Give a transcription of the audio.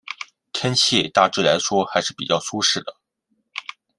天气大致来说还是比较舒适的。